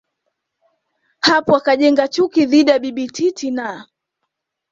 hapo akajenga chuki dhidi ya Bibi Titi na